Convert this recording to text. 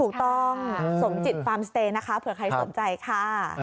ถูกต้องสมจิตฟาร์มสเตย์นะคะเผื่อใครสนใจค่ะ